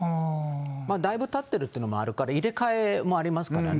だいぶたってるっていうのもあるから、入れ替えもありますからね。